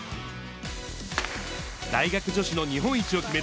大学女子の日本一を決める